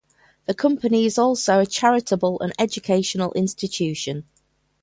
The Company is also a charitable and educational institution.